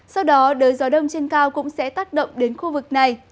sau đó đới gió đông trên cao cũng sẽ tác động đến khu vực này